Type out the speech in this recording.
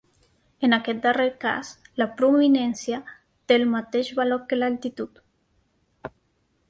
En aquest darrer cas, la prominència té el mateix valor que l'altitud.